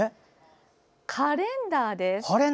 カレンダーです。